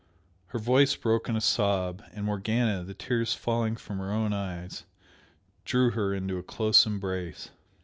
Her voice broke in a sob, and Morgana, the tears falling from her own eyes, drew her into a close embrace.